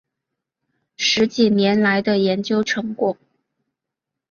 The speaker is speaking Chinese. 十几年来的研究成果